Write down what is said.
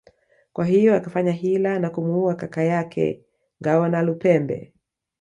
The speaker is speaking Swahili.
Kwa hiyo akafanya hila na kumuua kaka yake Ngawonalupembe